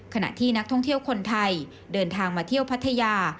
ขณะที่นักท่องเที่ยวคนไทยเดินทางมาเที่ยวพัทยา